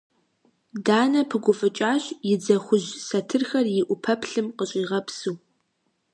Данэ пыгуфӏыкӏащ, и дзэ хужь сэтырхэр и ӏупэплъым къыщӏигъэпсыу.